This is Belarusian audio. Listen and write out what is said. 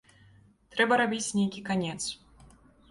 Трэба рабіць нейкі канец.